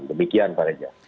demikian pak reza